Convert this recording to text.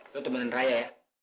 lo temenin raya ya